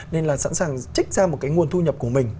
nên là sẵn sàng trích ra một cái nguồn thu nhập của mình